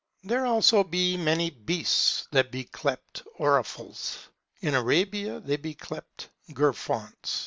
There also be many beasts, that be clept orafles. In Arabia, they be clept gerfaunts.